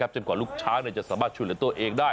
จึงก่อนลูกช้างจะสามารถชุดด่วยตัวเองได้